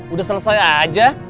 udah selesai aja